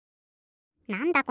なんだ？